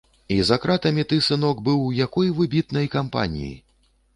І за кратамі ты, сынок, быў у якой выбітнай кампаніі!